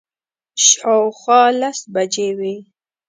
شاوخوا لس بجې وې.